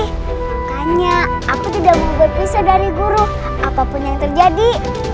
makanya aku tidak mau berpisah dari guru apapun yang terjadi